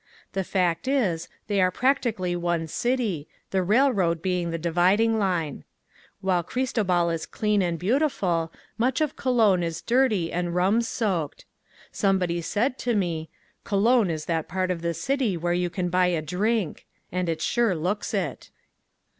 The fact is they are practically one city, the railroad being the dividing line. While Cristobal is clean and beautiful much of Colon is dirty and rum soaked. Somebody said to me: "Colon is that part of the city where you can buy a drink," and it sure looks it.